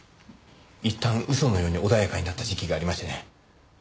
いったん嘘のように穏やかになった時期がありましてね。